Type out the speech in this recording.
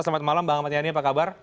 selamat malam bang ahmad yani apa kabar